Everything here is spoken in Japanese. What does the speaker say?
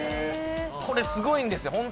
これ、すごいんですよ。